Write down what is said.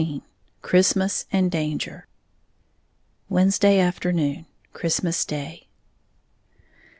XIX CHRISTMAS AND DANGER _Wednesday Afternoon, Christmas Day.